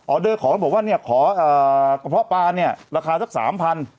เดอร์ของบอกว่าเนี่ยขอกระเพาะปลาเนี่ยราคาสักสามพัน